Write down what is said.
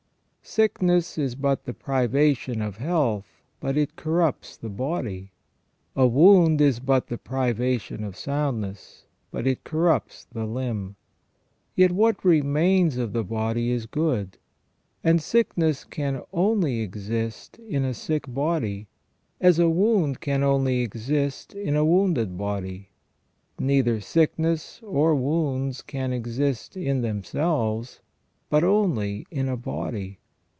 Sickness is but the privation of health, but it corrupts the body; a wound is but the privation of soundness, but it corrupts the limb. Yet what remains of the body is good, and sickness can only exist in a sick body, as a wound can only exist in a wounded body. Neither sickness or wounds can exist in themselves, but only in a body.